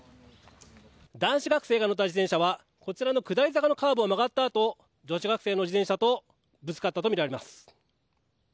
男子学生が乗った自転車は下り坂のカーブを曲がったあと女子学生の自転車とぶつかったとみられます。